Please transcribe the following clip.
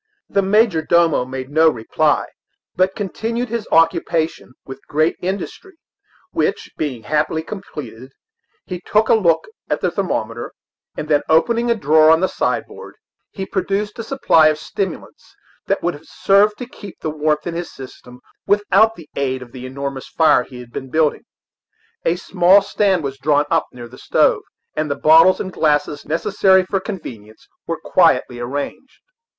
The major domo made no reply, but continued his occupation with great industry, which being happily completed, he took a look at the thermometer, and then opening a drawer of the sideboard, he produced a supply of stimulants that would have served to keep the warmth in his system without the aid of the enormous fire he had been building. A small stand was drawn up near the stove, and the bottles and the glasses necessary for convenience were quietly arranged.